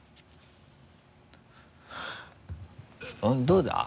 どうだ？